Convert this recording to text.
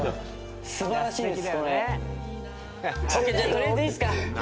取りあえずいいっすか。